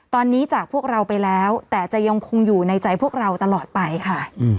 ตอนนี้จากพวกเราไปแล้วแต่จะยังคงอยู่ในใจพวกเราตลอดไปค่ะ